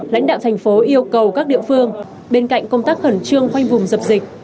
lãnh đạo thành phố yêu cầu các địa phương bên cạnh công tác khẩn trương khoanh vùng dập dịch